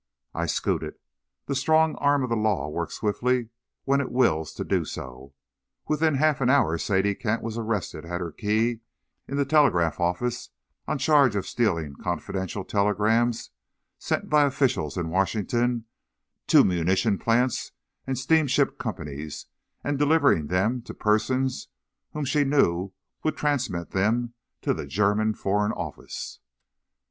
I scooted. The strong arm of the law works swiftly when it wills to do so. Within half an hour Sadie Kent was arrested at her key in the telegraph office on charge of stealing confidential telegrams sent by officials in Washington to munition plants and steamship companies and delivering them to persons who she knew would transmit them to the German Foreign Office.